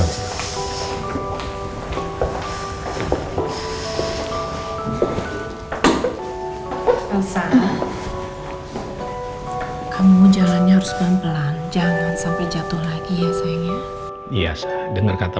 rasa kamu jalannya harus pelan pelan jangan sampai jatuh lagi ya sayangnya biasa dengar kata